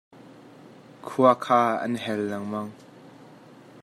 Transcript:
Khua kha an hel lengmang.